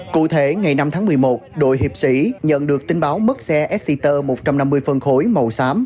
cụ thể ngày năm tháng một mươi một đội hiệp sĩ nhận được tin báo mất xe esger một trăm năm mươi phân khối màu xám